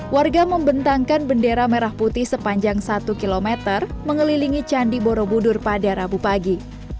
warga membentangkan bendera merah putih sepanjang satu km mengelilingi candi borobudur pada rabu pagi